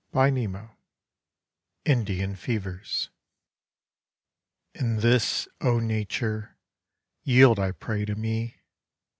INDIAN FEVERS In this, O Nature, yield I pray to me.